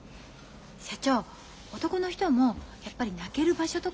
社長男の人もやっぱり泣ける場所とか必要ですよね？